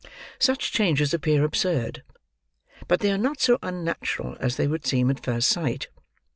Such changes appear absurd; but they are not so unnatural as they would seem at first sight.